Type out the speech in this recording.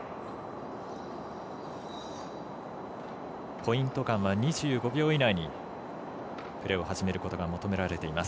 ポイント間は２５秒以内にプレーを始めることが求められています。